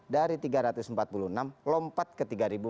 dari tiga ratus empat puluh enam lompat ke tiga ribu empat ratus dua puluh tujuh